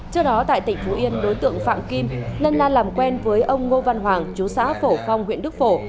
trước đó tại tỉnh phú yên đối tượng phạm kim lân la làm quen với ông ngô văn hoàng chú xã phổ phong huyện đức phổ